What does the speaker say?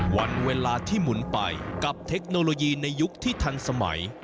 วันเวลาที่หมุนไปกับเทคโนโลยีในยุคที่ทันสมัย